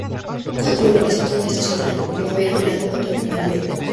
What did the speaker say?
Cada color representaba una estación del año: primavera, verano, otoño e invierno.